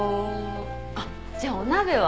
あっじゃあお鍋は？